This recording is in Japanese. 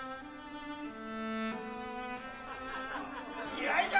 祝いじゃ！